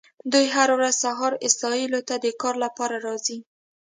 دوی هره ورځ سهار اسرائیلو ته د کار لپاره راځي.